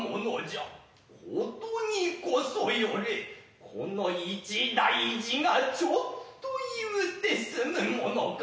事にこそよれこの一大事がちよつと言ふてすむものか。